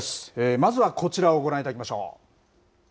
まずはこちらをご覧いただきましょう。